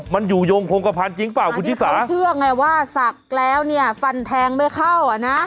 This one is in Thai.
มันอยู่ยงคงกระพันธุ์จริงป่ะคุณธิสาอ่ะที่เขาเชื่อไงว่าสักแล้วเนี่ยฟันแทงไม่เข้าอะนะ